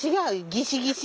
ギシギシ！